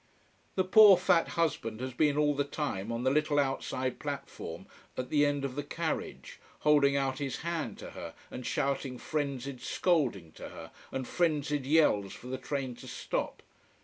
The poor fat husband has been all the time on the little outside platform at the end of the carriage, holding out his hand to her and shouting frenzied scolding to her and frenzied yells for the train to stop.